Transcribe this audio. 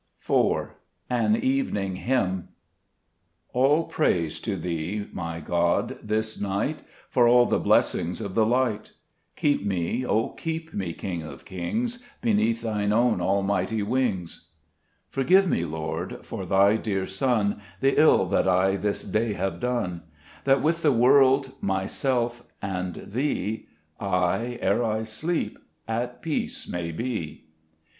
] Un ^Evening t)^mn* ALL praise to Thee, my God, this night, For all the blessings of the light ; Keep me, O keep me, King of kings, Beneath Thy own almighty wings. Gbe JBcet Cburcb "foEmns. 2 Forgive me, Lord, for Thy dear Son, The ill that I this day have done ; That with the world, myself, and Thee, I, ere I sleep, at peace may be.